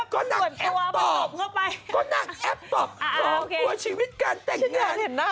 ก็นั่งแอปตอบส่องกลัวชีวิตการแต่งงาน